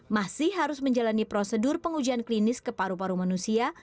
masih harus menjalani prosedur pengujian klinis ke paru paru manusia